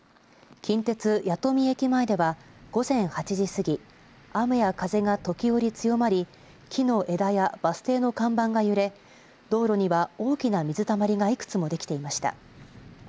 近鉄弥富駅前では午前８時過ぎ雨や風が時折、強まり木の枝やバス停の看板が揺れ道路には大きな水たまりがいくつもできていました。